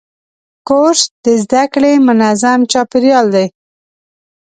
کورس د زده کړې منظم چاپېریال دی.